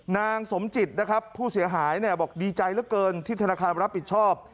นางสมจิตนะครับผู้เสียหายเนี่ยบอกดีใจเหลือเกินที่ธนาคารรับผิดชอบ